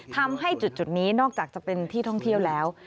ทำให้จุดนี้นอกจากจะเป็นที่ท่องเที่ยวแล้ว